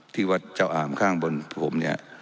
ที่วัดเจ้าอ่ามข้างบนผม